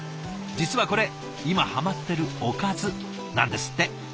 実はこれ今ハマってるおかずなんですって。